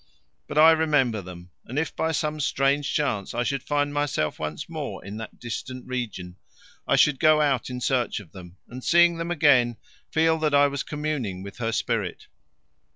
But I remember them, and if by some strange chance I should find myself once more in that distant region, I should go out in search of them, and seeing them again, feel that I was communing with her spirit.